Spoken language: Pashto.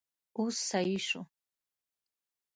اوس سيي شو!